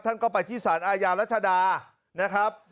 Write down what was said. ท่านก็ไปที่สารอาญารัชดานะครับ